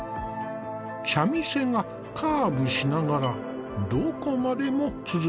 茶店がカーブしながらどこまでも続いている。